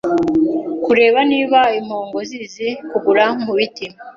Kureba niba impongo zizi kuguruka mubiti